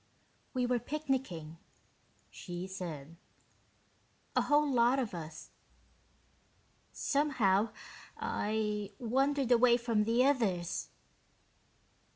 "We were picnicking," she said. "A whole lot of us. Somehow, I wandered away from the others...."